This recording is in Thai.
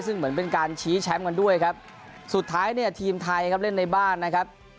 ซึ่งเหมือนเป็นการชี้แชมป์กันด้วยครับสุดท้ายเนี่ยทีมไทยครับเล่นในบ้านนะครับ